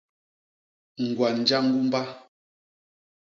Ñgwa njañgumba.